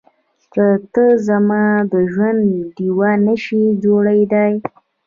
که ته زما د ژوند ډيوه نه شې جوړېدای.